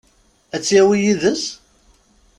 Ad tt-yawi yid-s?